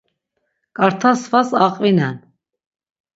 Ǩarta svas aqvinen.